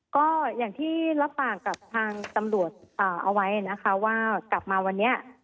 ก็อย่างที่รับปากกับทางตำรวจเอาไว้นะคะว่ากลับมาวันนี้